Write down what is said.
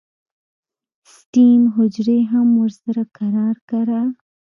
سټیم حجرې هم ورسره کرار کرار